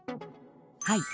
はい。